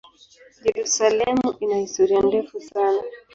Yerusalemu ina historia ndefu sana.